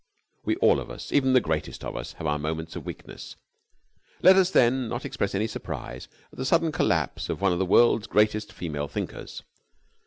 We all of us, even the greatest of us, have our moments of weakness. Let us then not express any surprise at the sudden collapse of one of the world's greatest female thinkers.